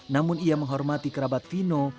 namun ia menghormati kerabat vino